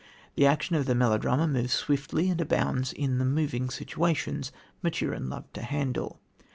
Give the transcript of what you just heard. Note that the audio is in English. The action of the melodrama moves swiftly, and abounds in the "moving situations" Maturin loved to handle.